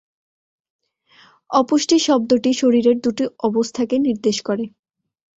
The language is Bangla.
অপুষ্টি শব্দটি শরীরের দুটো অবস্থাকে নির্দেশ করে।